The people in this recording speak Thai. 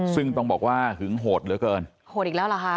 ซึ่งต้องบอกว่าหึงโหดเหลือเกินโหดอีกแล้วเหรอคะ